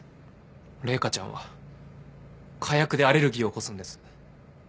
麗華ちゃんは火薬でアレルギーを起こすんです。